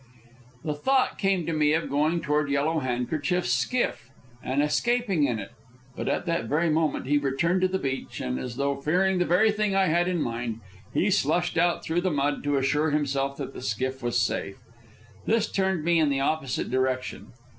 The thought came to me of going toward Yellow Handkerchief's skiff and escaping in it, but at that very moment he returned to the beach, and, as though fearing the very thing I had in mind, he slushed out through the mud to assure himself that the skiff was safe. This turned me in the opposite direction.